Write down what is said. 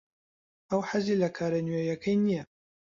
ئەو حەزی لە کارە نوێیەکەی نییە.